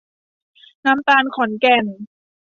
น้ำตาลขอนแก่น